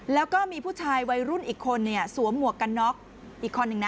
แล้วก็มีผู้ชายวัยรุ่นอีกคนเนี่ยสวมหมวกกันน็อกอีกคนนึงนะ